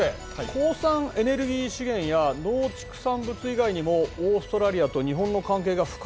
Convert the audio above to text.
鉱産エネルギー資源や農畜産物以外にもオーストラリアと日本の関係が深いものってのは何ですか？